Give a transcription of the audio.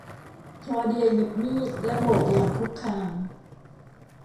คลอเดียหยิบมีดและโบกอย่างคุกคาม